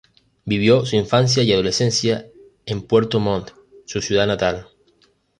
Vivió su infancia y adolescencia en Puerto Montt, su ciudad natal.